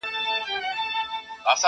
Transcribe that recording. تا پر سرو شونډو پلمې راته اوډلای!.